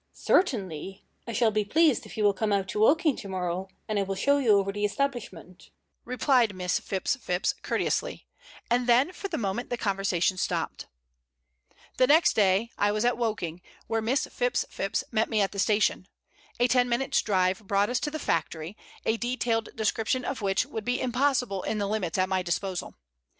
"Certainly. I shall be pleased if you will come out to Woking to morrow, and I will show you over the establishment," replied Miss Phipps Phipps, courteously. And then for the moment the conversation stopped. The next day I was at Woking, where Miss Phipps Phipps met me at the station. A ten minutes' drive brought us to the factory, a detailed description of which would be impossible in the limits at my disposal.